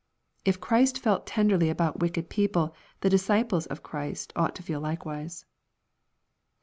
If Christ felt tenderly about wicked people, the disciples of Christ ought to feel likewise.